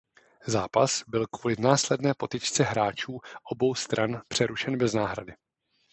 Zápas byl kvůli následné potyčce hráčů obou stran přerušen bez náhrady.